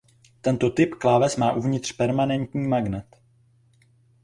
Tento typ kláves má uvnitř permanentní magnet.